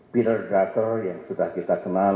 peter drutter yang sudah kita kenal